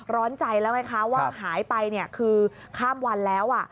ร้อนใจแล้วไงคะว่าหายไปคือข้ามวันแล้ว